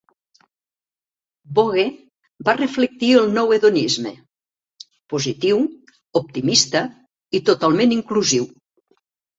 "Vogue" va reflectir el nou hedonisme; positiu, optimista i totalment inclusiu.